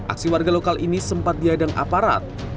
aksi warga lokal ini sempat diadang aparat